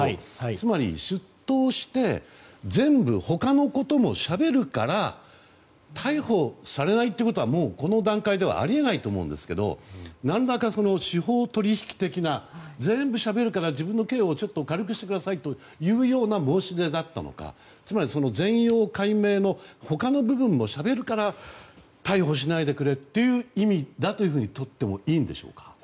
つまり、出頭して全部他のこともしゃべるから逮捕されないってことはもう、この段階ではあり得ないと思うんですが何らかの司法取引的な全部しゃべるから自分の刑を軽くしてくださいというような申し出だったのかつまり、全容解明の他の部分もしゃべるから逮捕しないでくれという意味だととってもいいんでしょうか。